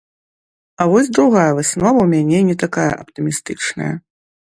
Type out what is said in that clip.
А вось другая выснова ў мяне не такая аптымістычная.